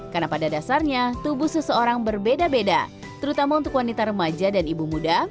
karena pada dasarnya tubuh seseorang berbeda beda terutama untuk wanita remaja dan ibu muda